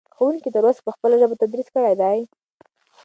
ښوونکي تر اوسه په خپله ژبه تدریس کړی دی.